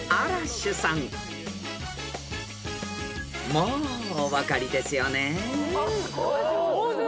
［もうお分かりですよね］